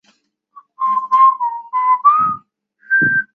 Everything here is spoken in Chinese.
异被地杨梅为灯心草科地杨梅属下的一个种。